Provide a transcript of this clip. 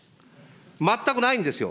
全くないんですよ。